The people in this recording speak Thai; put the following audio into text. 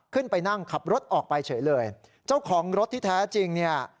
ขึ้นไปนั่งขับรถออกไปเฉยเลยเจ้าของรถที่แท้จริงเนี่ย